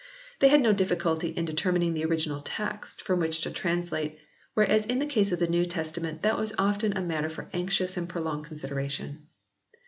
They had no difficulty in determining the Original Text from which to translate, whereas in the case of the New Testament that was often matter for anxious and prolonged consideration.